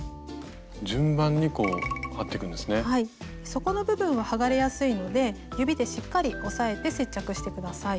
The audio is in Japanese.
底の部分は剥がれやすいので指でしっかり押さえて接着して下さい。